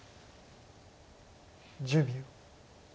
１０秒。